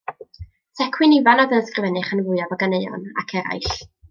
Tecwyn Ifan oedd yn sgrifennu'r rhan fwyaf o ganeuon Ac Eraill.